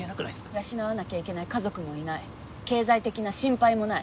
養わなきゃいけない家族もいない経済的な心配もない。